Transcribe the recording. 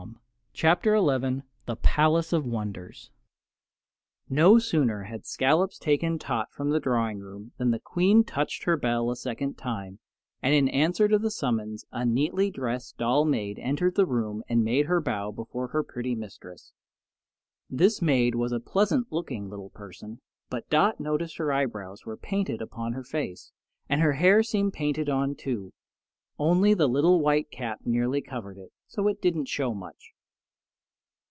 CHAPTER 11 The Palace of Wonders No sooner had Scollops taken Tot from the drawing room than the Queen touched her bell a second time, and in answer to the summons a neatly dressed doll maid entered the room and made her bow before her pretty mistress. This maid was a pleasant looking little person; but Dot noticed her eyebrows were painted upon her face, and her hair seemed painted on, too, only the little white cap nearly covered it, so it didn't show much.